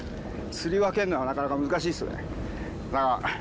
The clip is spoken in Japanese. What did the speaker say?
釣り分けるのはなかなか難しいっすね